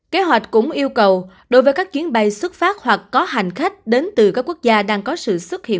kế hoạch cũng yêu cầu đối với các chuyến bay xuất phát hoặc có hành khách đến từ các quốc gia đang có sự xuất hiện